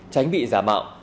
tránh bị giả mạo